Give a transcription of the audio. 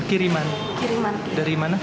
kiriman dari mana